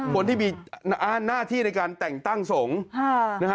คนที่มีหน้าที่ในการแต่งตั้งสงฆ์